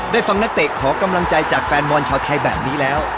ฟังนักเตะขอกำลังใจจากแฟนบอลชาวไทยแบบนี้แล้ว